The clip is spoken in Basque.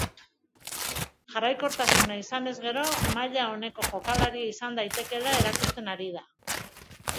Jarraikortasuna izanez gero maila oneko jokalaria izan daitekeela erakusten ari da.